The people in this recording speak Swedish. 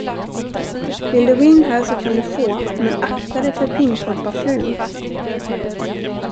Vill du gå in här, så kan du få, men akta dig för Pintorpafrun!